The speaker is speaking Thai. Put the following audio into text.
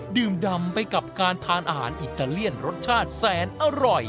ดื่มดำไปกับการทานอาหารอิตาเลียนรสชาติแสนอร่อย